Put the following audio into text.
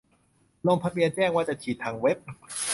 ลงทะเบียนแจ้งว่าจะฉีดทางเว็บ